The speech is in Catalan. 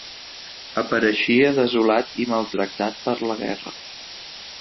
Apareixia desolat i maltractat per la guerra.